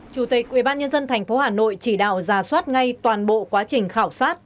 chủ tịch ubnd tp hà nội chỉ đạo giả soát ngay toàn bộ quá trình khảo sát